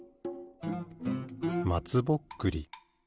まつぼっくり。